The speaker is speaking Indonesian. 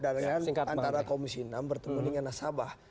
antara komisi enam bertemu dengan nasabah